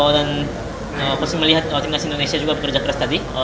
dan saya melihat timnas indonesia juga bekerja keras tadi